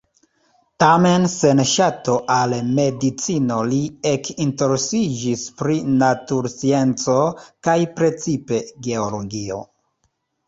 Tamen sen ŝato al medicino li ekinteresiĝis pri naturscienco, kaj precipe geologio.